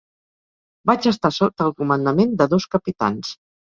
Vaig estar sota el comandament de dos capitans.